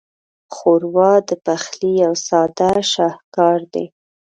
ښوروا د پخلي یو ساده شاهکار دی.